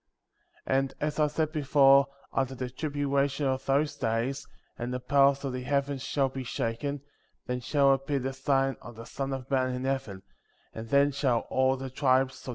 36. And, as I said before, after the tribulation of those days, and the powers of the heavens shall be shaken; then shall appear the sign of the Son of Man in heaven^ and then shall all the tribes of the Digitized by Google I.